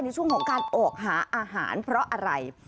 ในช่วงของการออกหาอาหารเพราะอะไร